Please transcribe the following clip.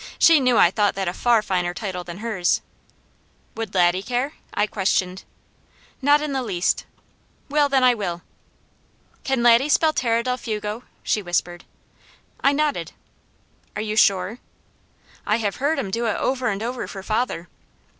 She knew I thought that a far finer title than hers. "Would Laddie care?" I questioned. "Not in the least!" "Well then, I will." "Can Laddie spell 'Terra del Fuego?'" she whispered. I nodded. "Are you sure?" "I have heard him do it over and over for father."